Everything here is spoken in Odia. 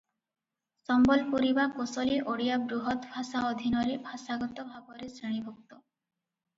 ସମ୍ବଲପୁରୀ ବା କୋସଳୀ ଓଡ଼ିଆ ବୃହତଭାଷା ଅଧୀନରେ ଭାଷାଗତ ଭାବରେ ଶ୍ରେଣୀଭୁକ୍ତ ।